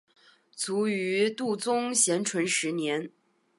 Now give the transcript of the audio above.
卒于度宗咸淳十年。